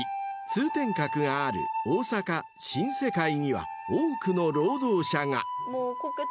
［通天閣がある大阪新世界には多くの労働者が］